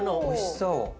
おいしそう。